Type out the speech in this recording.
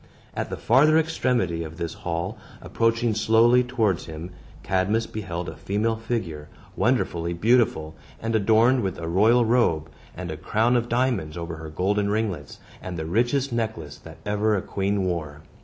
At the farther extremity of this hall, approaching slowly towards him, Cadmus beheld a female figure, wonderfully beautiful, and adorned with a royal robe, and a crown of diamonds over her golden ringlets, and the richest necklace that ever a queen wore.